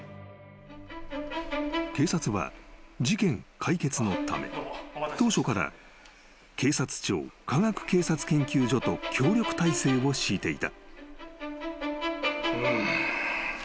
［警察は事件解決のため当初から警察庁科学警察研究所と協力態勢を敷いていた］